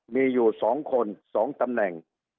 มีอยู่๒คน๒ตำแหน่ง